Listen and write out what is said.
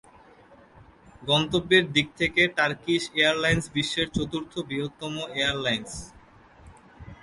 গন্তব্যের দিক থেকে টার্কিশ এয়ারলাইন্স বিশ্বের চতুর্থ বৃহত্তম এয়ারলাইন্স।